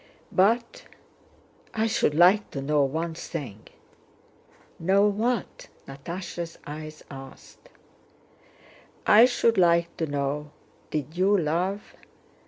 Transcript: "But... I should like to know one thing...." "Know what?" Natásha's eyes asked. "I should like to know, did you love..."